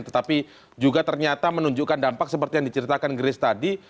tetapi juga ternyata menunjukkan dampak seperti yang diceritakan grace tadi